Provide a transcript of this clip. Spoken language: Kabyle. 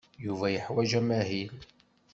Yuba yeḥwaj amahil.